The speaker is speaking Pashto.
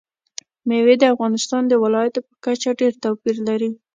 مېوې د افغانستان د ولایاتو په کچه ډېر توپیر لري.